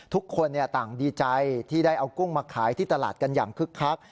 ทุกคนต่างดีใจที่ได้เอากุ้งมาขายที่ตลาดกันอย่างคึกคัก